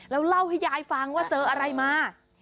แล้วเล่าให้ยายฟังว่าเจออะไรมา